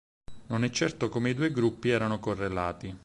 Non è certo come i due gruppi erano correlati.